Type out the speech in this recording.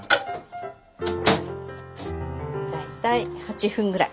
大体８分ぐらい。